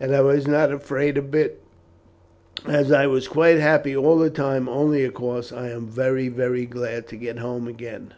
and I was not afraid a bit, and I was quite happy all the time, only, of course, I am very, very glad to get home again."